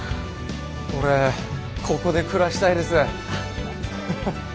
俺ここで暮らしたいです。